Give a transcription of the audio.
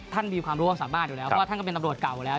ท่านมีความรู้ความสามารถอยู่แล้วเพราะว่าท่านก็เป็นตำรวจเก่าอยู่แล้ว